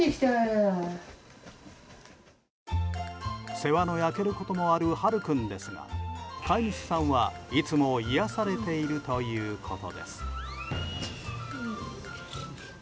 世話の焼けることもあるハル君ですが飼い主さんは、いつも癒やされているということです。